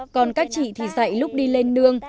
còn các chị thì dạy lúc đi lên đường